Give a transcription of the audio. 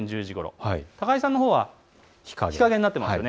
高井さんのほうは日陰になっています。